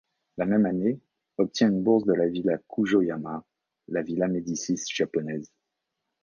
La même année, obtient une bourse de la Villa Kujoyama, la Villa Médicis japonaise.